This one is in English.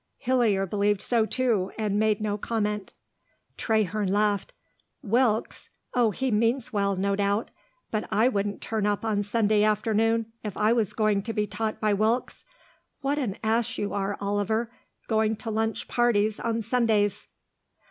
Hillier believed so, too, and made no comment. Traherne laughed. "Wilkes! Oh, he means well, no doubt. But I wouldn't turn up on Sunday afternoon if I was going to be taught by Wilkes. What an ass you are, Oliver, going to lunch parties on Sundays."